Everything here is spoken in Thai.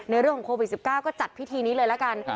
เรื่องของโควิด๑๙ก็จัดพิธีนี้เลยละกัน